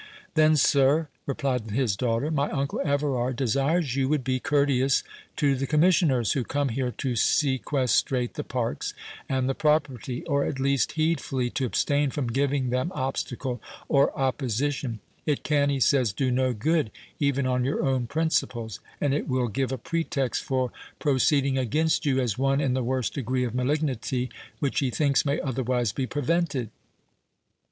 "Then, sir," replied his daughter, "my uncle Everard desires you would be courteous to the commissioners, who come here to sequestrate the parks and the property; or, at least, heedfully to abstain from giving them obstacle or opposition: it can, he says, do no good, even on your own principles, and it will give a pretext for proceeding against you as one in the worst degree of malignity, which he thinks may otherwise be prevented.